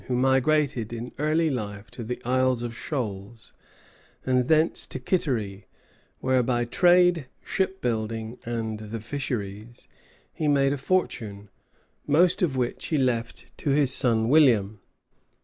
] who migrated in early life to the Isles of Shoals, and thence to Kittery, where by trade, ship building, and the fisheries, he made a fortune, most of which he left to his son William.